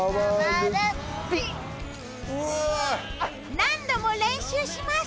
何度も練習します。